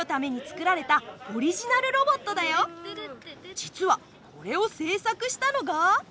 実はこれを製作したのが。